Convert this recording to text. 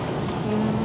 うん。